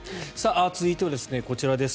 続いてはこちらです。